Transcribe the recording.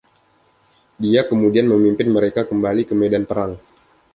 Dia kemudian memimpin mereka kembali ke medan perang.